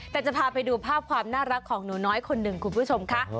แต่จะพาไปดูภาพความน่ารักของหนูน้อยคนหนึ่งคุณผู้ชมค่ะ